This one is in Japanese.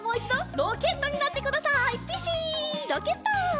ロケット！